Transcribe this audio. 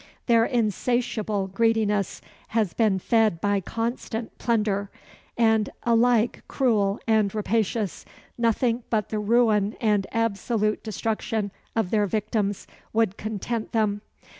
Their insatiable greediness has been fed by constant plunder; and, alike cruel and rapacious, nothing but the ruin and absolute destruction of their victims would content them.